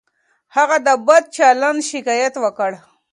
هغه د بد چلند شکایت وکړ.